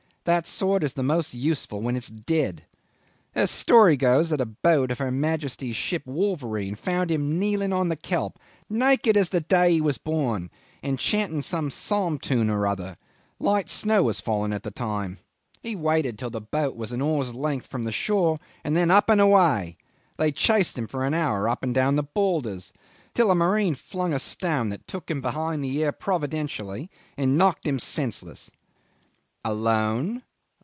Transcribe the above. That sort is the most useful when it's dead. The story goes that a boat of Her Majesty's ship Wolverine found him kneeling on the kelp, naked as the day he was born, and chanting some psalm tune or other; light snow was falling at the time. He waited till the boat was an oar's length from the shore, and then up and away. They chased him for an hour up and down the boulders, till a marihe flung a stone that took him behind the ear providentially and knocked him senseless. Alone?